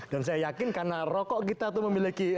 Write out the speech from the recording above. dan saya yakin karena rokok kita itu memiliki